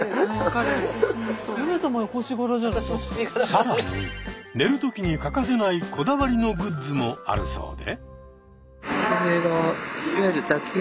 更に寝る時に欠かせないこだわりのグッズもあるそうで。